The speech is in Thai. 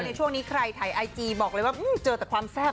ในช่วงนี้ใครถ่ายไอจีบอกเลยว่าเจอแต่ความแซ่บ